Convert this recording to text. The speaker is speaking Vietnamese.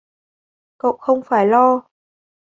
Cậu không phải lo